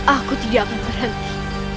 aku tidak akan berhenti